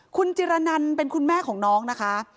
คุณจิรนันเป็นคุณแม่ของน้องนะคะ